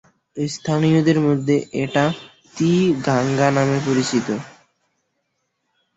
স্থানীয়দের মধ্যে এটা তি-গাঙ্গা নামে পরিচিত।